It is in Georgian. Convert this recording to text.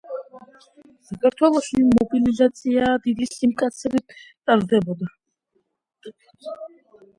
საქართველოში მობილიზაცია დიდი სიმკაცრით ტარდებოდა.